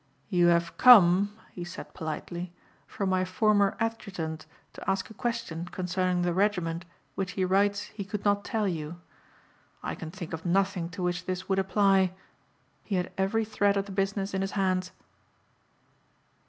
"You have come," he said politely, "from my former adjutant to ask a question concerning the regiment which he writes he could not tell you. I can think of nothing to which this would apply. He had every thread of the business in his hands."